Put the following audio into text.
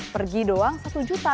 pergi doang satu juta